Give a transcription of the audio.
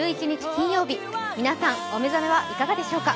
金曜日、皆さん、お目覚めはいかがでしょうか。